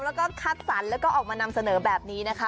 แล้วก็คัดสรรแล้วก็ออกมานำเสนอแบบนี้นะคะ